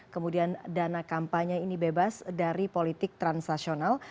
kemudian dana kampanye ini bebas dari politik transaksional